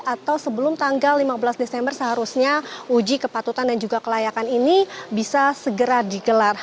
atau sebelum tanggal lima belas desember seharusnya uji kepatutan dan juga kelayakan ini bisa segera digelar